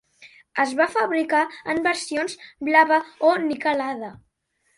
Es va fabricar en versions blava o niquelada.